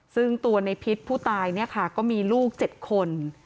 ซึ่งตัวในพิษผู้ตายเนี่ยค่ะก็มีลูก๗คน